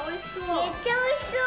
めっちゃおいしそう！